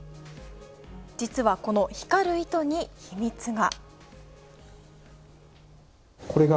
実は、この光る糸に秘密が。